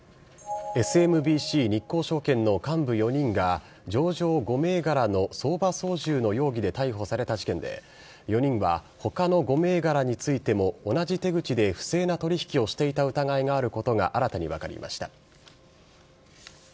ＳＭＢＣ日興証券の幹部４人が、上場５銘柄の相場操縦の容疑で逮捕された事件で、４人はほかの５銘柄についても同じ手口で不正な取り引きをしていた疑いがあることが新たに分かりました。